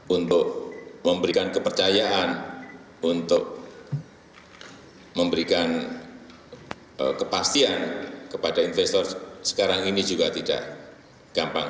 untuk memberikan kepercayaan untuk memberikan kepastian kepada investor sekarang ini juga tidak gampang